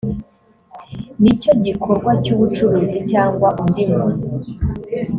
n icyo gikorwa cy ubucuruzi cyangwa undi muntu